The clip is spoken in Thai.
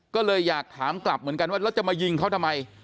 ก็เลยอยากถามกลับเหมือนกันว่าแล้วจะมายิงเขาทำไม